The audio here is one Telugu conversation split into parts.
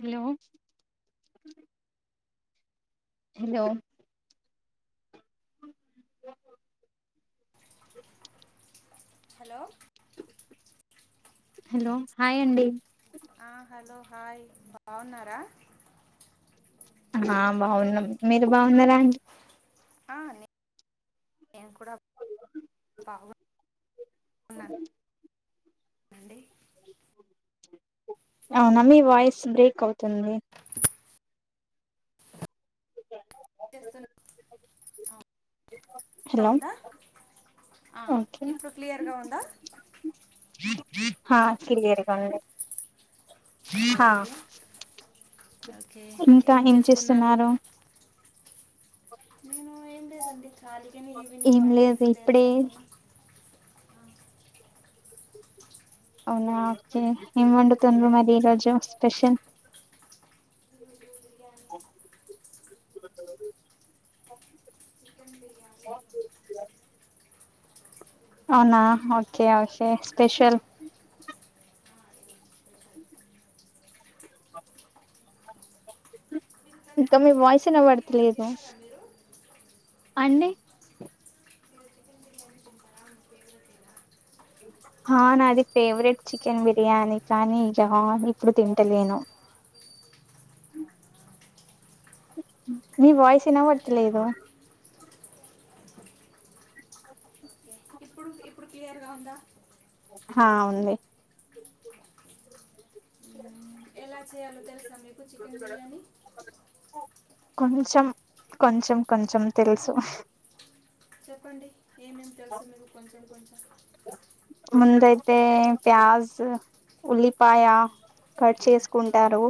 Hello hello [inaudible] hello hello hi అండి ఆ హలో హాయ్ బాగున్నారా? ఆ బాగున్నం, మీరు బాగున్నారా అండి? ఆ నే కూడా బాగు అండి అవునా మీ వాయిస్ బ్రేక్ అవుతుంది చేస్తున హలో ఆ ఒకే ఇప్పుడు క్లియర్గా ఉందా హా క్లియర్గా ఉంది హా ఓకే ఓకే ఏం చేస్తున్నారు. నేను ఏం లేేండి ఖాళీగా నే ఈవినింగ్ ఏం వంట లేదు ప్రిపేర్ ఇప్పుడే చేస్తున్నాను. అవునా ఓకే ఏం వందుతున్నార్ మరి రోజు స్పెషల్. అవునా ఓకే ఓకే స్పెషల్ [inaudible] ఇంకా మీ వాయిస్నా వినుపడుతులేదు. అండి ఆ నాది ఫేవరెట్ చికెన్ బిర్యానీ కానీ ఇక ఇప్పుడు తింటలేను మీ వాయిస్ విన ఎలా చేయాలో పడతలేదు. ఓకే ఇప్పుడు [inaudible] ఇప్పుడు క్లియర్గా ఉందా. ఆ ఉంది ఎలా చేయాలో తెలుసా మీకు చికెన్ బిర్యానీ. కొంచెం కొంచెం కొంచెం తెలుసు చెప్పండి ఏమేమి తెలుసు మీకు కొంచెం కొంచెం ముందయితే ప్యాజ్ ఉల్లిపాయ కట్ చేసుకుంటారు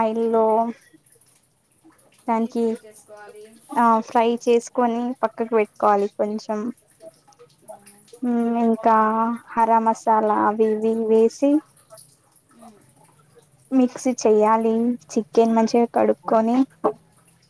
ఆయిల్ లో. ఓకే డీప్ దానికి ఫ్రై చేసుకోవాలి ఆ ఫ్రై మ్మ్. చేసుకొని పక్కకు పెట్టుకోవాలి కొంచెం ఇంకా హరా మసాలా అవి ఇవి వేసి. మిక్స్ చెయ్యాలి చికెన్ మంచిగా కడుక్కకొని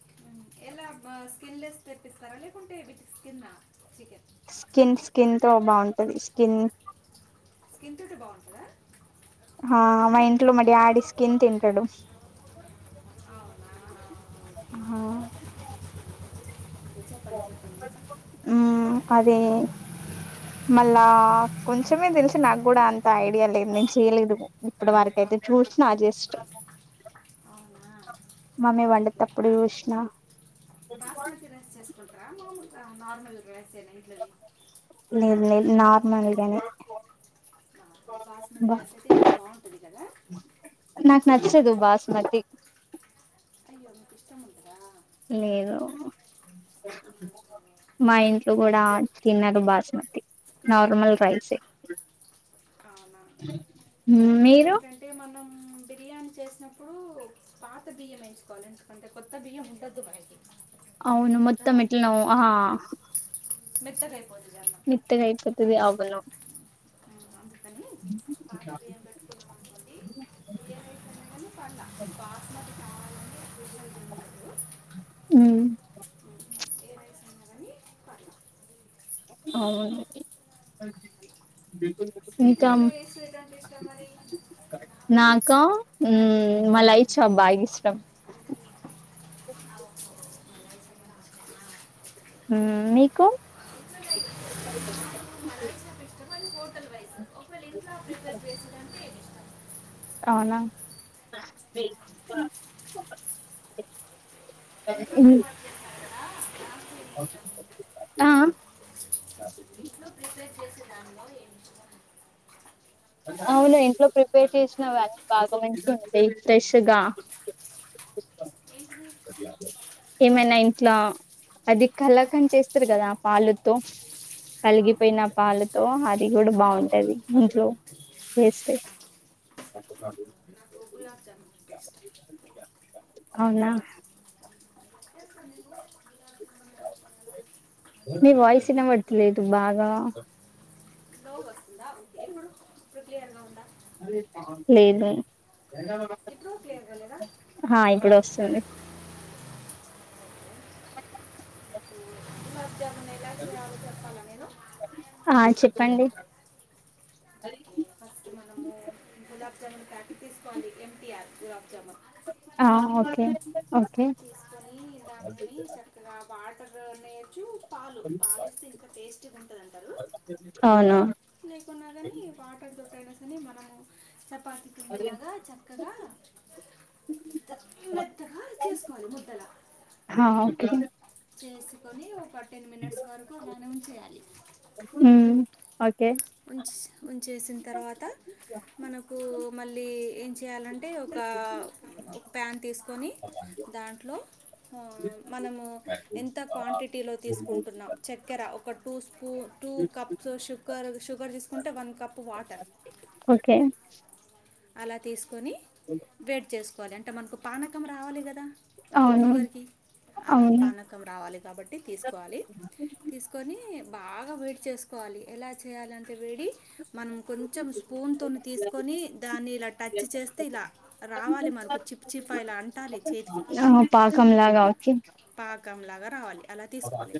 మ్మ్. ఎలా స్కిన్లెస్ తెప్పిస్తారా లేకుంటే with skin chicken. Skin skin తో బాగుంటది స్కిన్ స్కింతంట బాగుంటుందా ఆ మా ఇంట్లో మరి ఆడి స్కిన్ తింటాడు అవునా హ చెప్పండి చెప్పండి అదే మళ్ళా కొంచెమే తెలిసి నాకు కూడా అంత ఐడియా లేదు నేను చేయలేదు ఇప్పుడు వరక అయితే చూసిన జస్ట్ అవునా మమ్మీ వండే ఓకే తప్పుడు చూసిన. చేసుకుంట నార్మల్ నార్మల్ రెస్ ఇట్ల. లేదు లేదు నార్మల్గాని బాస్మతి రైస్ అయితే ఇంకా బాగుంటుంది కదా నాకు నచ్చదు బాసుమతి అయ్యోంకు ఇష్టము ఉండదా. లేదు ఓహో. మా ఇంట్లో కూడా తిన్నారు బాస్మతి నార్మల్ రైసే. అవునా మీరు ఇంకేంటంటే మనం బిర్యానీ చేసినప్పుడు పాత బియ్యం ఎయించుకోవాలి ఎందుకంటే కొత్త బియ్యం ఉండదు మనకి. అవును మొత్తం మ ఎట్లనవు ఆ మెత్తగైపోద్దిగ మెత్తగైపోతది అవును ఉమ్, పాత బియ్యం పెట్టుకున్నాం అనుకోండి బియ్యం పెేటుకున్నా కానీ పండ బాస్మతి కావాలని స్పెషల్ బియ్యం లేదు మ్ సరి అవును స్వీట్ ఇంకా మల ఏ స్వీట్ అంటె ఇష్ట మరి నాకా మ్ మలై చబ్బా బాగ ఇష్టం మ్ మీకు మన వైస్ నాకు ఇష్టం అది హోటల్ వైస్ ఒకవేళ ఇంట్లో ప్రిపేర్ చేసేదంటే ఏమి ఇష్టం ఔనా ఇంట్లో ఇ ప్రిపేర్ చేశారు కదా నాకు ఏమి ఇష్టం ఆ ఆ ఇంట్లో ప్రిపేర్ చేసే దానిలో ఏమి ఇష్టం అవును ఇంట్లో ప్రిపేర్ చేసినవి అన్నీ బాగా మంచిగా ఉంటయ్ ఫ్రెష్గా ఏంటి ఏమైనా ఇంట్లా అది కళాకాండ్ చేస్తారు కదా పాలుతో అవును పలిగిపోయిన పాలుతో అది కూడా బాగుంటుంది ఇంట్లో ఏస్తే బెస్ట్ అవునా మీ వాయిస్ ఇనబడట్లేదు బాగా నవవు ఇప్పుడు క్లియర్గ ఉందా లేద ఇప్పుడు క్లియర్గా లేదా హా ఇప్పుడు వస్త్ సలే జమన్ ఎలా చేయాలో చెప్పాలా నేను పండి ఫస్ట్ మనము గులాబ్ జామున్ ప్యాకిట్ తీసుకోవాలి ఎంటిఆర్ గులాబ్ జామున్ ఆ ఓకే కె దాన్నీ చక్కగా వాడ్ నేజూ పాలు పాలేస్తే ఇంక టెస్ట్ గా ఉంటది అంటరు అవును లేకున్నా గనీ వాటర్ తోట్ అయిన ని మనము చెప్ పాతిపిండిలాగా చక్కగా మెత్తగా చేసుకోవాలి మొత్ హ ఓకె చేసుకొని ఒక టెన్ మినిట్స్ వరకు నాని ఉంచేయాలి ఉమ్ ఓకే ఉంచెస్ ఉంచేసిన్ తర్వాత మనకూ మళ్ళీ ఏం చేయాలంటే ఒకా ఒక్ ప్యాన్ తీసుకొని దాంట్లొ మనమూ ఎంత క్వాంటి టీ లో తీసుకుంటున్నాం చెక్ చెక్కర ఒక two spoon two two cups sugar sugar తీసుకుంటే వన్ కప్పు వాటర్ ఓకే అలా తీసుకు కొని వేడి చేసుకోవాలి అన్ అంటే మనకు పానకం రావాలి కదా అవును షుగర్కి అలా అవును పానకం రావాలి కాబట్టి తీసుకోవాలి తీసుకొని బాగా వేడి చేసుకోవాలి ఎలా చేయాలి అంటే వేడి మనం కొంచెం షు స్పూన్ తోని తీసుకొని దాన్ని ఇలా టచ్ చేస్తే ఇలా రావాలి మనకు చిప్ చిప్ ఇలా అంటాలి చేతికి ఆ పాకం లాగా అవుతుందా పాకంలాగా రావాలి అలా తీసుకోవాలి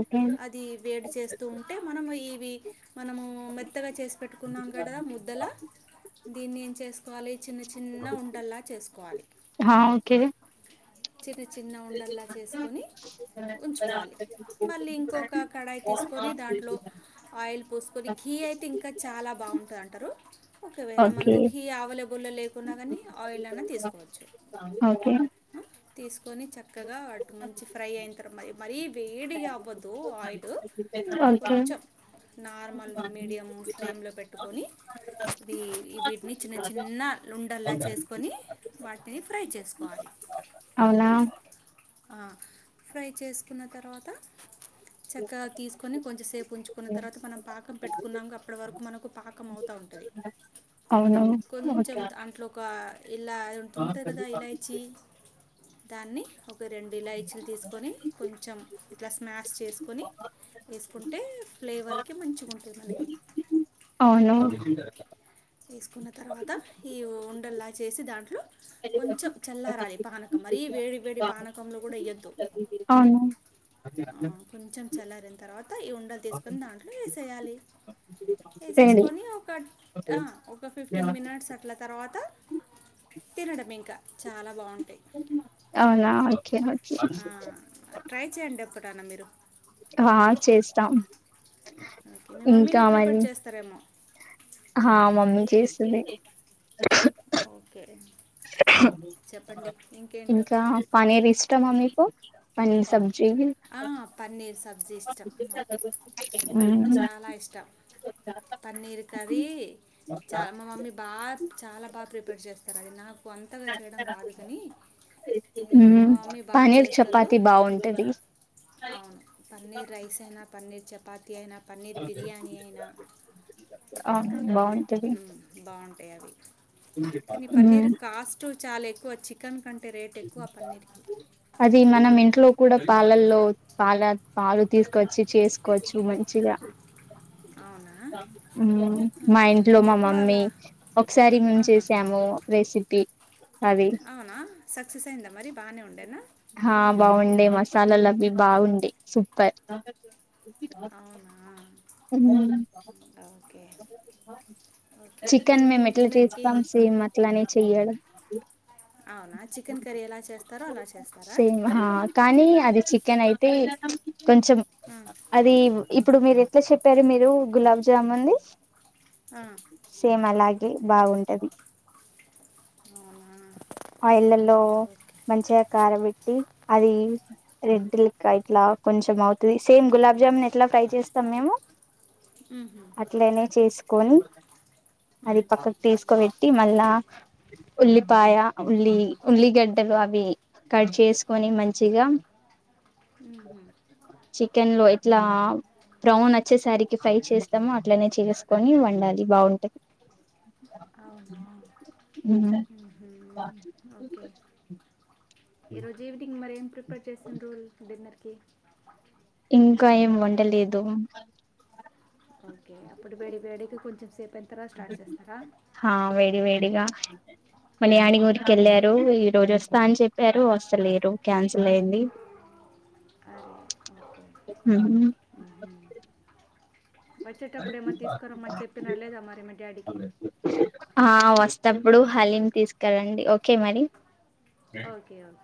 ఓకే అది వేడిచే స్తూ ఉంటే మనము ఇవి మనము మెత్తగా చేసి పెట్టుకున్నాం కదా ముద్దల దీన్ని ఏం చేసుకోవాలి చిన్న చిన్న ఉండల్లా చేసుకోవాలి హా ఓకే చిన్న చిన్న ఉండల్లా చేసుకొని ఉంచుకోవాలి మళ్ళీ ఇంకొక కడాయి తీసుకొని దాంట్లో ఆయిల్ పోసుకొని ఘీ అయితే ఇంకా చాలా బాగుంటుంది అంటారు ఒకవేళ ఓకే మనకు ఘీ అవైలబుల్లో లేకున్నా కానీ ఆయిల్ అయినా తీసుకోవచ్చు ఓకే తీసు కని చక్కగా వాటి మంచి ఫ్రై అయింది మరి మరీ వేడిగా అవ్వదు ఆయిల్ ఓకే కొంచెం నార్మల్ మీడియం ఫ్లేమ్లో పెట్టుకొని ఇ వీటిని చిన్న చిన్న లుండల్లా చేసుకొని వాటిని ఫ్రై చేసుకోవాలి అవునా ఫ్రై చేసుకున్న తర్వాత చక్కగా తీసుకొని కొంచెం సేపు ఉంచుకున్న తర్వాత మనం పాకం పెట్టుకున్నాం అప్పటి వరకు మనకు పాకం అవుతా ఉంటది అవును కొంచెం అంట్లో ఒక ఇల్ అదంట తుంట కదా ఇలాయిచీ దాన్ని ఒక రెండు ఇలాయిచీలు తీసుకొని కొంచెం [unintelligible] చేసుకొని వేసుకుంటే ఫ్లేవర్కి మంచిగ ఉంటది మనకి అవును వేసుకున్న తర్వాత ఈ ఉండల్లా చేసి దాంట్లో కొంచెం చల్లారాలి పానకం మరి వేడి వేడి పానకంలో కూడా ఎయోద్దు అవును కొంచెం చల్లారన తర్వాత ఈ ఉండలు తీసుకొని దాంట్లో వేసేయాలి రెడీ వేసుకొని కట్ ఒక ఫిఫ్టీన్ మినిట్స్ అట్ల తర్వాత తినడం ఇంకా చాలా బాగుం అవునా ఓకే ఓకే ట్రై [unintelligible] మీరు ఆ చేస్తాం మీ ఇంకా మమ్మీని ప్రిపేర్ మరి చేస్తారేమో ఆ మమ్మీ చేస్తుంది ఓకే చెప్పండి ఇంకేంటి ఇంకా పనీరు ఇష్టమా మీకు [unintelligible] ఆ పన్నీర్ సబ్జీ ఇష్టం చాలా ఇష్టం పన్నీర్ కర్రి మా మమ్మీ బాగా చాలా బాగా ప్రిపేర్ చేస్తుంది అది నాకు కొంతగా చేయడం రాదు కానీ మ్మ్ మా మమ్మీ బాగా పనీర్ చేస్తారు చపాతి బాగుంటది అవును పన్నీర్ రైస్ అయినా పన్నీర్ చపాతీ అయినా పన్నీర్ బిర్యానీ అయినా ఆ బాగు తెలిదు ఉంటయి అవి కానీ పన్నీర్ కాస్ట్ హ్మ్ చాలా ఎక్కువ చికన్ కంటే రేట్ ఎక్కువ పన్నీర్ కీ అది మనం ఇంట్లో కూడా పాలల్లో పాల పాలు తీసుకొచ్చి చేసుకోవచ్చు మంచిగా అవునా హ్మ్ మా ఆహా, ఇంట్లో నేను మా ఎప్పుడు మమ్మీ అలా ఒకసారి మేము ఆహా. చేసాము రెసిపీ టీ అవునా సక్సెస్ అయ్యిందా మరి బాగానే ఉండేనా వుడే మసాలాలు అవి బాగుండే సూపర్ అవునా హ్మ్ ఓకే ఓకే చికెన్ మేమ్ ఈవినింగ్ ఎట్లా డిన్నర్కి చేస్తాం సేమ్ అట్లానే చెయ మేడం [unintelligible] అవునా చికెన్ కర్రీ ఎలా చేస్తారో అలా చేస్తారా తి కొంచెం ఆ, అది ఇప్పుడు మీరు చెప్పారు మీరు గులాబ్ జామున్ది ఆ. సేమ్ అలాగే అంటే బాగుంటది అవునా ఆయిలలో ఓకే మంచిగా కార పెట్టి అది రెడ్ లికా ఇట్లా కొంచెం అవుతుది సేమ్ గులాబ్జామున్ ఎట్లా ఫ్రై చేస్త ఇస్తమేము మ్హూ. అట్లనే చేసు కొని అది మ్, పక్కకి తీసుకోబెట్టి మళ్ళా ఉల్లి పాయ ఉల్లి ఉల్లిగడ్డలు అవి కట్ చేసుకొని మ్, మంచిగా మ్హూ. చికెన్ లో ఇట్లా బ్రౌన్ వచ్చేసరికి ఫ్రై చేస్తాము అట్లనే చేసుకొని వండాలి బాగుంటుది అవునా ఆహా ఓకే ఈ రోజు ఈవనింగ్ మరేం ప్రిపేర్ చేసిన రోల్ డిన్నర్ ఓకే ఇంకా ఏం వండలేదు ఓకే అప్పుడు వేడి వేడికి కొంచెం సేపు అయిన తర్వాత స్టార్ట్ చేస్తారా హా వేడి వేడిగా మన ఆడిగి ఊరికిళ్ళ ఈ రోజు వస్తా అని చెప్పారు వస్తలేరు క్యాన్ లేంది అరే ఓకే మ్హూ. వచ్చేటప్పుడు ఏమన్నా తీసుకురమ్మని చెప్పిన లేదా మరి మా డాడీకి తప్పుడు హలీని తీసుకెళ్లండి ఓకే మరి ఓకే ఓకే